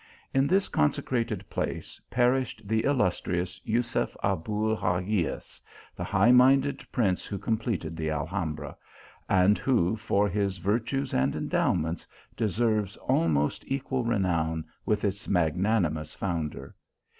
In this consecrated place perished the illustrious Jusef Abul Hagias, the high minded prince who completed the Alhambra, and who, for his virtues and endowments, deserves almost equal renown with its magnanimous founder.